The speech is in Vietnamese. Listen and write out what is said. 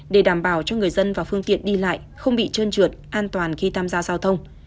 để đảm bảo cho người dân và phương tiện đi lại không bị trơn trượt an toàn khi tham gia giao thông